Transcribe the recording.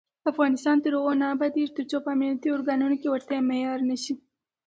افغانستان تر هغو نه ابادیږي، ترڅو په امنیتي ارګانونو کې وړتیا معیار نشي.